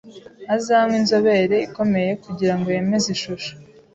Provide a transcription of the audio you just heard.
Hazanywe inzobere ikomeye kugirango yemeze ishusho.